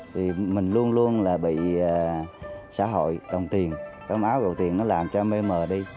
thì mình luôn luôn là bị xã hội đồng tiền đồng áo đồng tiền nó làm cho mê mờ đi